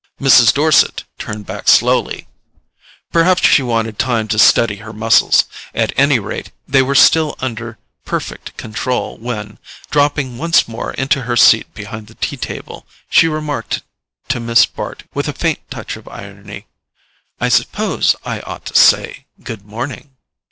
Mrs. Dorset turned back slowly; perhaps she wanted time to steady her muscles; at any rate, they were still under perfect control when, dropping once more into her seat behind the tea table, she remarked to Miss Bart with a faint touch of irony: "I suppose I ought to say good morning."